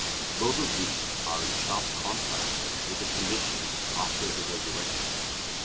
Both of these are in sharp contrast with the conditions after the resurrection.